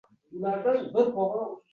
Giyohchi uzoq oʻyladi, soʻng